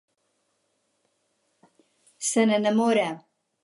Se n'enamora.